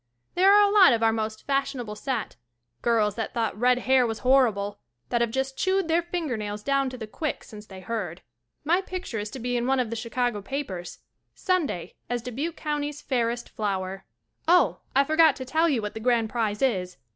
There are a lot of our most fashion able set. girls that thought red hair was hor rible, that have just chewed their finger nails down to the quick since they heard. My picture is to be in one of the Chicago 'I'm getting so I tear I have in my I see a papers, Sunday, as Dubuque county's fair est flower. Oh, I forgot to tell you what the grand prize is.